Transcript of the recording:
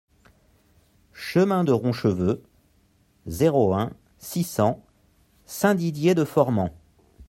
Chemin de Roncheveux, zéro un, six cents Saint-Didier-de-Formans